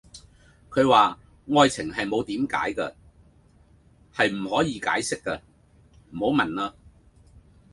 佢話:愛情係冇點解架,係唔可以解釋架,唔好問啦